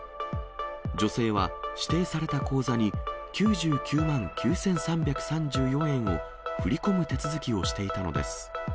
女性は指定された口座に９９万９３３４円を振り込む手続きをしていたのです。